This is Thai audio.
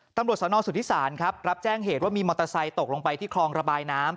ตำรวจสนสุธิศาลครับรับแจ้งเหตุว่ามีมอเตอร์ไซค์ตกลงไปที่คลองระบายน้ำ